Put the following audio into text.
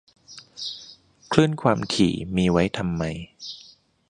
คลื่นความถี่มีไว้ทำไม